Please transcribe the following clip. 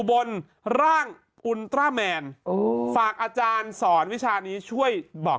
บนร่างอุลตราแมนฝากอาจารย์สอนวิชานี้ช่วยบอก